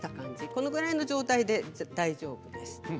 これぐらいの状態で大丈夫です。